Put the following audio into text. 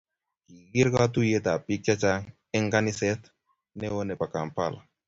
kikiker kotuiyet ab bik che chang eng kanaset neo nebo Kampala